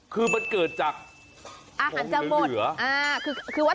คือมันเกิดจากอาหารเฉอะหมด